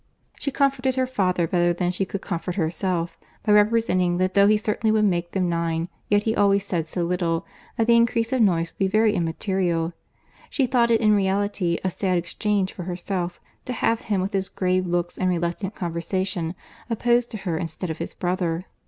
She comforted her father better than she could comfort herself, by representing that though he certainly would make them nine, yet he always said so little, that the increase of noise would be very immaterial. She thought it in reality a sad exchange for herself, to have him with his grave looks and reluctant conversation opposed to her instead of his brother.